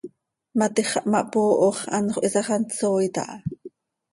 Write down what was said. Matix xah ma hpooho x, anxö hiisax hant sooit aha.